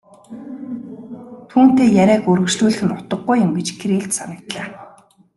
Түүнтэй яриаг үргэжлүүлэх нь утгагүй юм гэж Кириллд санагдлаа.